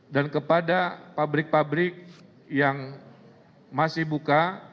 dan kepada pabrik pabrik yang masih buka